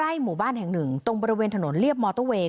หมู่บ้านแห่งหนึ่งตรงบริเวณถนนเรียบมอเตอร์เวย์